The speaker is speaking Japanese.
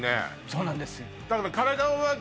そうなんです